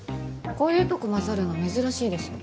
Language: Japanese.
こういうとこ混ざるの珍しいですね。